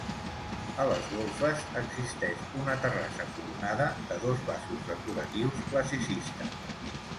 A les golfes existeix una terrassa coronada de dos vasos decoratius classicistes.